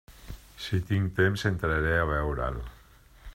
Si tinc temps, entraré a veure'l.